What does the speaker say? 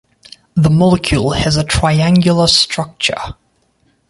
The molecule has a triangular structure.